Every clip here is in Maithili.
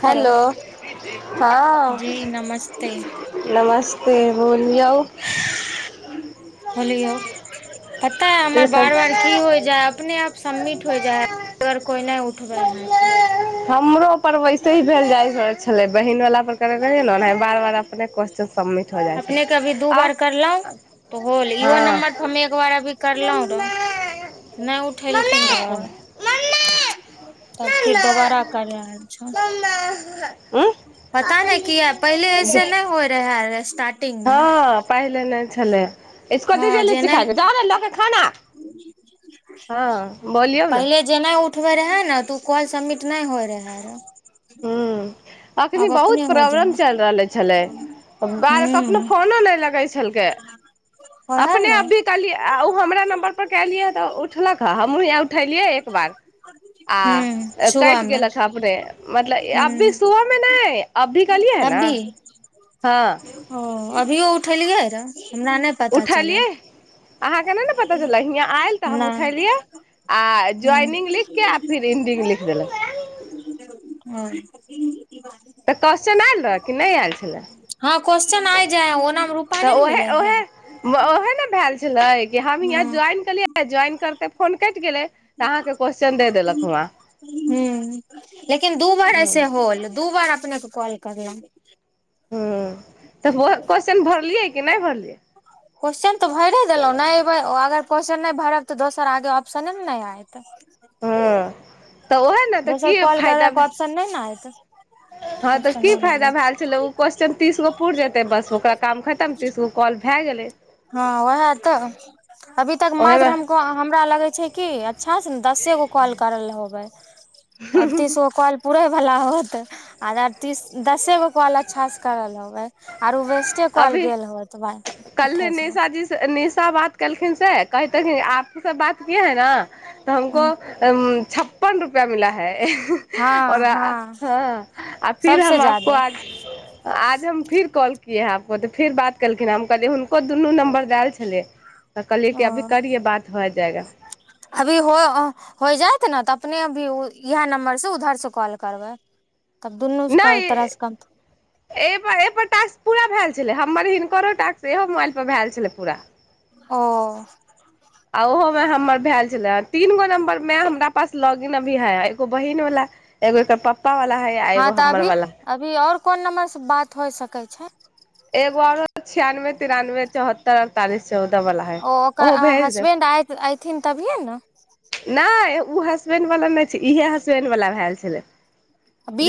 हेलो हँ जी नमस्ते नमस्ते बोल यौ बोलियौ पता है हमर बार बार की हो जाय ह अपने आप सबमिट हो जाइ है अगर कोइ नहि उठबै है तऽ हमरो पर वैसे ही भेल जाइ छलै बहिन वाला पर करय हो जाइ छै अपने के अभी दू आउ बार करलौं तऽ होल इहो हँ नंबर पर हमे एक बार अभी करलौं रहय नहि उठेलखिन रहय कोइ तब फेर दोबारा करयल छौ पता नहि कियै पहिले ऐसे नहि होइ रहय है स्टार्ट हँ पहिल नहि छल छले इसको दिजीए हँ जे लीची खाय लेल नहि जाउ ने लऽ के खाउना हँ बोलियौ ने उठबै रहय ने तऽ कॉल सबमिट नहि होइ रहय रे हूँ [unintelligible] अखनी बहुत प्रॉब्लम चलि रहले छलै बार कखनो हूं फोनो नहि लगै छलकै ओहे अपने ने अभी कहलिय आ ओ हमरा नम्बर पर कलियै तऽ उठलक हे हमहुँ यहाँ उठलियै एक बार आ हूँ सुबह कटि मे गेलक ह अपने मतलब अभी हूँ सुबह सुबहमे नहि अभी कलियै है न अभी हँ उठैलियै रहय हमरा नहि पता चलल इहा ने न पता चललै इहा आयल तऽ हम नहि उठेलियै आ ज्वइनिंग हूँ लिख के आ फिर इंडिंग लिख देल ओ तऽ कोश्चन आयल रहय कि नहि आयल छलै हँ क्वेश्चन आइ जाय ओनामे रूपा नहि तऽ ने उहै मिलै है उहै ओहे ने भैल छलै हम ह या हूँ ज्वइनेलिये ज्वान करते फोन कर गेलै तऽ अहाँके क्वेश्चन दे देलक वहाँ हू लेकिन दू बार ऐसे होल दू बार अपने क कॉल कर लेै ह तऽ केश्चन भरलियै कि नहि भरलियै क्वेशचन तऽ भरिए देलहुँ नहि अयबै अगर क्वेशस्चन नहि भरब तऽ दोसर आगे ऑप्शने ने नहि आयतै तऽ ओहे ने तऽ दसर की कॉल फायदा करैके भेल। ऑप्शन नहि न एत हँ तऽ की फायदा भेल छलै ओ क्वस्न तीस गो पुर जेतै बस ओकरा काम खतम तीसगो कॉल भए गेलै हँ उएह तऽ अभी तक म ओहेमे हम हमरा लगै छै कि अच्छा से ने दसे गो कॉल करल होबै अरतीस ओ कल पूुरै भला होत आध तीस दसे गो कॉल अच्छासँ करल होबै आरो वेस्टे कल अभी गेल होत ब कल नेशा जी नेशा बात कर लखिन से कहिन आब त सब बात के है ने तऽ हमको ह छप्पन रुपैआ मिला है हँ आओर हँ हँ आ फिर सबसे हम आपको जादे आज आज हम फिर कॉल कि आबको तऽ फेर बात केलखिन हम कहलिय हुनको दुनू नम्बर देल छलै तऽ कहलियै कि ओ अभी करिये बात भए जाएगा अभी हो हो जायत ने त अपने भी इएह नम्बर से उधर से कॉल करबै तब दुनू तरह से कम नहिप पूरा भेल छलै हमर हिनकरो टाक से इहो मोबाइल पर भेल छलै पूरा ओ आ ओहोमे हमर भेल छलए तीनगो नम्बर में हमरा पास लॉग इन अभी है एगो बहिीन वाला एगो एकर पा हँ तऽ अभी अभी और कोन नम्बर से बात होय सकैत छै छै एगो आर छियानबे तिरानबे चौहत्तर अड़तालिस ओ ओकर हसबेंड ऐथिन तभिए ने नहि ओ हसबैंड वला नहि छै इएहे हसबैंड वला भए छलै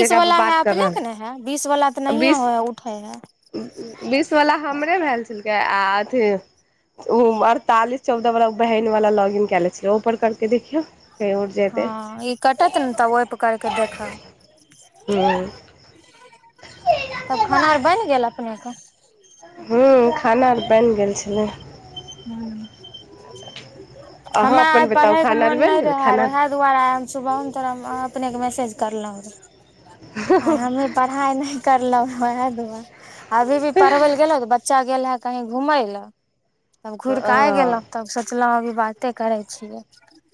जेकरा पर हए बात कर अपनेके ने रहल हइ बीसवला तऽ नहिए बीस हो उठै हइ के अथी उ अड़तालीस चौदह बा बहिन वाला लॉग इन केले छ पर दीदी हँ ई कटत ने तब ओहिपर करि कऽ देखब ह तब खाना आर बनि गेल अप क क हू खाना आर बनि गेल छलै ह्म अहाँ हमरा आइ अपन बताउ पढ़यके खाना आर मोन बनि नहि गेल रहए खाना र ओएह दुआरे हम सुबहमे तोरा हम अपनेके मैसेज करलहुँं रह आ हमे पढ़ाई नहि करलहु ह दुआ अभी भी पढ़बैल गेलो तऽ बच्चा गेल है कहीं घूमय लए तब घुर कऽ आइ ओ गेलहुँ तब सोचलहु अभी बाते करै छियै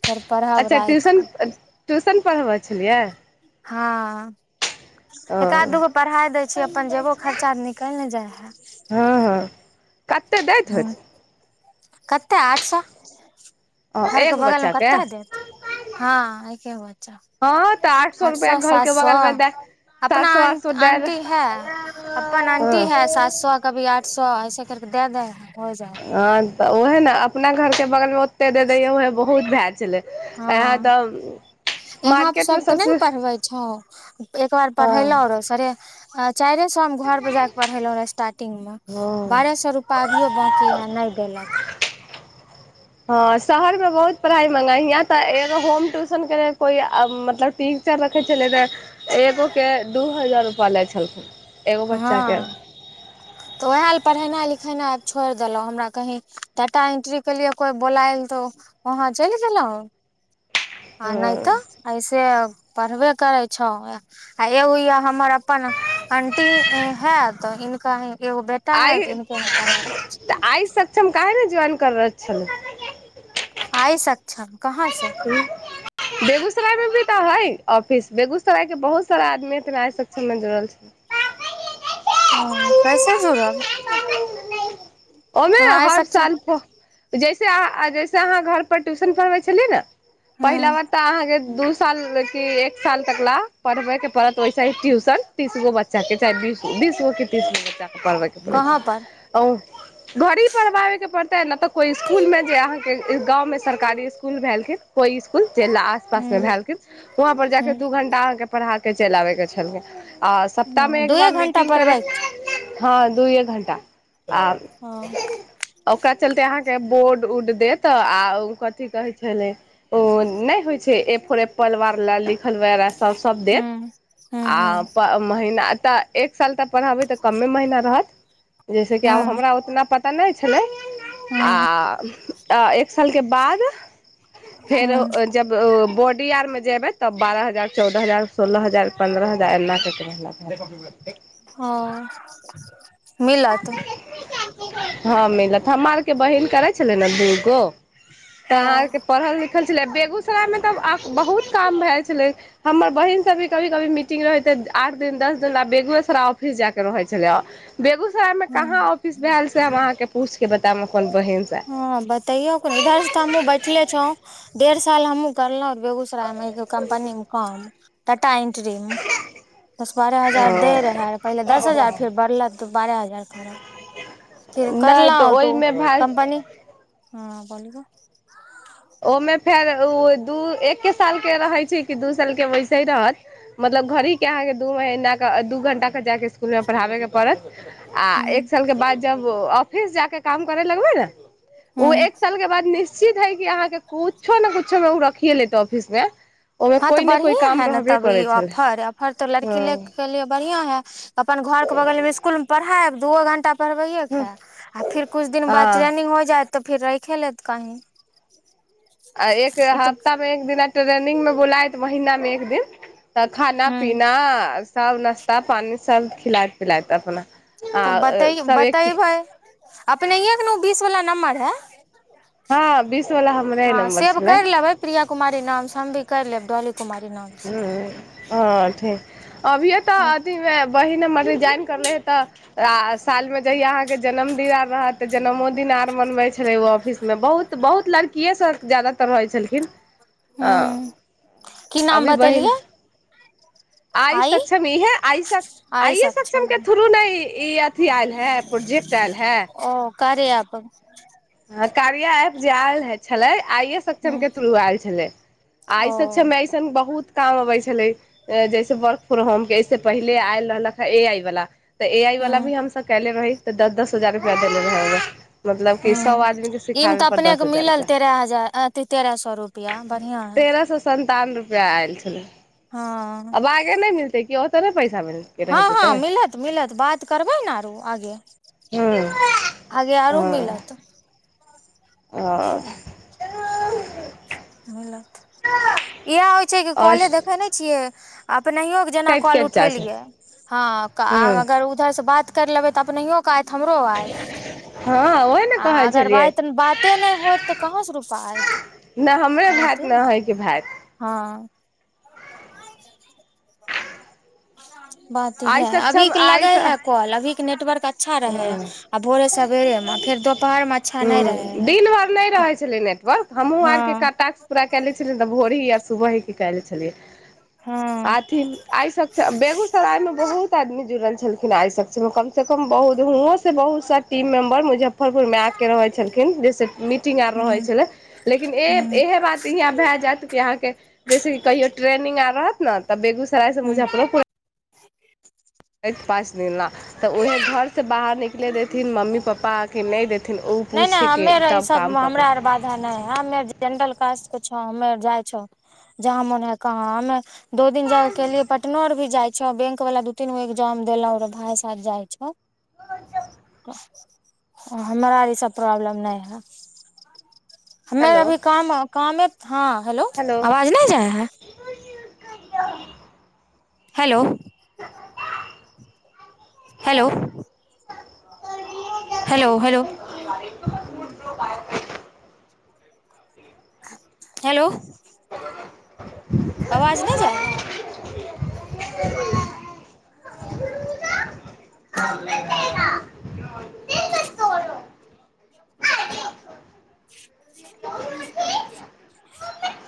फेर पढ़ब अच्छा राति ट्यूशन कऽ ट्यूशन पढ़ब बुझलियै हँ ओ एका आध दू गो पढ़ााय दै छीयै अपन जेयबो खर्चा तऽ निकलि ने जाइ हए हँ हँ कतेक दैत होयत कतेक आठ सए ओ एगो बच्चाे हँ आके होत बच्चा तऽ आठ रुपआ सए सात घरके बगलमे सए दए सात अपना सए आठ सए दए आंटी है अपन हँ आंटी है सात सए कभी आठ आठ सए ऐसे करकेे दए दै आ तऽ उहे ने अपना घर के बगल मे ओते दे दैया उएहे बहुत भए छलै यहाँ हँ तऽ यहाँ पर मार्केटमे सभके नहि ने सबसँ पढ़बै छौ एक बार हँ पढ़ेलहु रो सरे अचा चारे सए हम घर पर जाके पढ़ेलहुंे स्टार्टिंगग मे हँ बारह सए रूपा अभियो बंकी है नहि देलक हँ शहरमे बहुत पढ़ाइ मंगा हियाँ तऽ एो होम ट्यूशन के कोइ मतलब टीचर रखै छलै रह एगो के दू द हजार रुपैा लै छलखिन एगो बच्चा के हँ तऽ उएह ल पढ़ेनाइ लिखेनाइ छोड़ि देलहुँ हमरा कहीँ टााटा एन्ट्रीके लिए कोइ बोलायल तऽ वहाँ चलि गेलहुँ हँ आनयत अइसे पढ़बे करै छौ आ एगो य हमर अपन अ ी है तऽ इननका ह आइ तऽ आइ सक्षम के ने जन कर छल ने आइ सच्छा बेगुसरायमे त है ऑफिस बेगूसराय के बहुत सारा आदमी रा सक्षम मे जुड़ल छै ह कैसे जुड़ल हम आइ सक ज जैसे अहाँ घर पर ट्यूशन पढ़बे छली ने ह पहिला बार तऽ अहाँके दू साल क एक साल तक ल पढ़बे के पड़त वैसे ही ट्यूशन तीस गो बच्चा के चाहे बीस गो क तीस गो बच्चा प कहाँ पर छै घड़ी पढ़बाबे के तऽ नहि तऽ कोइ इसकुलमे जे अहाँके गाँवमे सरकारी इसकुल भेलखिन को इसकुल च आस पास में ह भ वहं पर जा ह के दू घंटा अ के पढ़ा के चलि आबैके छलखै आ सप्ताहमे एक बार दूए घंटा मीटिंग करै पढ़बै हँ दू एक घं्टा आ ह ओकरा चलते अहाँके बोर्ड उड दे तऽ आ कथी कहै छलै ओ नहि होइ छै ेपल वार ल ली खलवैरा सब सब ह देत ह ह आ महीना तऽ एक साल तऽ पढ़बै तऽ कमे महीना रहत जैसे आब ह हमरा उतना प तऽ नहि छलै ह आ एक सालके बाद ह ब त [unintelligible] बारह हजार चौदह हजार सोलह हजार पन्द्रह हजार एनााकऽक ह मिल त हँ मिलत हमरा आरके बहिन करै छलै ने दूगो तऽ ओ अहाँ आ के पढ़ल लिखल देखल छलै। बेगूसराय मे तऽ बहुत काम होइत छलै। हमर बहिन सभोक कहियो-कहियो मीटिंग रहैत छै। आठ-दस दिन बेगूसराय ऑफिस जा कऽ रहैत छलै। बेगूसराय में कहाँ हूँ ऑफिस भेल से हम अहाँ के पूछ के बताम अपन बहिनसँ हँ, बताउ ने। एतय तऽ हमहुँ बैसल छी। डेढ़ साल हमहुँ करलहुँ बेगूसरायमे कम्पनीमे काम करैत छलहुँ। डेटा एंट्रीमे ओ पहिले दस हजार दैत छल, फेर बढ़लाक बाद बारह हजार कऽ देलैक। फ करल नहि तऽ तू ओहिमे भए कम्पनी ह बोलग ओमे फेर ओ दू-एक सालक रहैत छै कि दू सालक? मतलब घरे टा रहत कि अहाँकेँ दू घंटा लेल स्कूल जा कऽ पढ़ाबय पड़त? आ एक हूँ साल के बाद जब ऑफिस जााक काम करै लगबै ने ओ हूँ एक साल के बाद निित सी हइ कि अहाँ किछुओ नहि, किछु-ने-किछु मे ओ ऑफिसमे रखिए लेत। ओहिमे हँ तऽ कोइ ने कोइ बढ़ििया काम है ने रहबे तब ई करै छलै ऑफर, ऑफर तो लड़की ले ह के लिए बढ़ियां है अपन घर के बगल में स्कूल मे पढ़ाय दुइयो घंटा। पढ़बैत अछि, आ फेर किछु दिन बाद हँ ट्रेनिंग होइत अछि। तऽ फिरइ खेलत कहहि आ एक हफ्ता मे एक दिना ट्रेनिंग मे बोलबैत तऽ महिनामे एक दिन। तऽ खाना पीना सभ नास्ता पानी सभ खिलात खिलाय त अपना तऽ बत आ सब एक बतेबै अपनययैकु बीस वला नम्मर है हँ बीस वाला हमरे हँ नम्बर सेब छलै कर लेबै प्रिया कुमारी नाम सँ हमभी कर लेब्रॉल ह हँ ठीक अभिये तऽ अथीमे बह नम्बर रिजाइन कए लेने छथि तऽ सालमे अहाँक जन्मदिन रहै तऽ जन्मदिन सेहो मनबैत छल। ओ ऑफिसमे बहुत लड़की सभ जादातर रहै छलखिन आँ हूँ की नाम बतेलियै आइ सक्षम इहे आइस आइे सक्षम के थ्रू ने ई अथी आयल है प्रोजेक्ट आयल है कार्य ऐप ह कारिया एप जे आयल हे छले आइ सक्षम हूँ के थ्रू आयल छले आइ ओ सक्षम एऐसन बहुत काम अबै छलै जैसे वर्क फर्म होम के ऐसे पहिले आयल रहलक ह ए आय बला तऽ ए आई वाला भी हूँ हमस कले रही त दस दस हजार रुपआ दे लेना रहा ओइमे मतलब कि ह्म सौ आदमीके ईमे सिखाबै तऽ पर दस अपनेके हजार मिलल रुपैआ तेरह हजार अथी तेरह सए रुपैआ बढ़िआँ हइ रुपआ आयल छलै हँ आब आगे नहि मिलतै कि ओतऽ नहि पैसा मिलके रहि हँ जेतै हँ मिलत मिलत बात करबै ने आरो आगे हँ आगे आरो मिलत ओ मिलत इहे होइ छै कि आओर कले देखे ने छियै आ अपनेहु के जेना काटि कॉल काटि जाइ छै उठेलिये है हँ आ उधर से बात कर लेबै तऽ अपनहियो त हमरो आयत हँ ओहे ने आ कहै अगर छलियै ब बाते नहि होत तऽ कहाँ से रुपा आत न हमरे भात ने अहे के भाय हँ बात आइ है अभी सक्षम लगा है कॉल अभी नेटवर्क अ हँ हूँ फेर दोपहर मे अच्छा नहि रहे है दिन भर नहि रहे छले नेटवर्क हमहु आर के हँ टास्क पूराे कय लै छलियै ते भोरही सुबह ही के कैल छलियै हँ अथि आय सक्षम बेगूसराय मे बहुत आदमी जुड़ल छलखिन आइ सक्षम कम से कम बहुत हुओं से बहुत टीम मेंबर मुझे मुजफ्फरपुर में आके रहै छलखिन जैसे मीटिंग आर रहै ह छलै लेकिन ह इह बात इहाँ भए जायत कि अहाँके जैसे कि कहियो ट्रेनिंग आर रहत ने तऽ बेगूसराय सँ ह मुजफ्फरोपुर पाँच दिन ला तऽ उएहे घर सँ बाहर निकले देथिन मम्मी पापा नहि नहि हमे आर ई सब काम हमरा पकड़ आर बाधा नहि है हमे जनरल क छौ हमे जाइ छौ जहा मोन है कहा दो दिन जाये के लिए पटनो आर भी जाय छै बैंक वाल दू तीन गो ए्जाम देल भथ जाइ छै हमरा आर ई सब प्रॉब्लम नहि है हमे हेलो अभी काम कामे हँ हेलो आवाज नहि जाय है [inaudible] hello hello hello hello [unintelligible] hello आवाज नहि जाइ है [unintelligible] [inaudible]